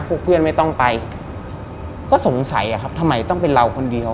พวกเพื่อนไม่ต้องไปก็สงสัยอะครับทำไมต้องเป็นเราคนเดียว